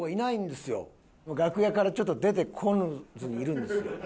楽屋からちょっと出てこずにいるんですよ。